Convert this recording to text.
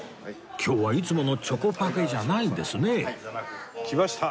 今日はいつものチョコパフェじゃないんですね来ました！